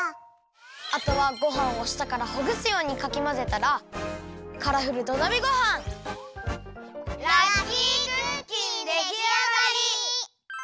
あとはごはんをしたからほぐすようにかきまぜたらラッキークッキンできあがり！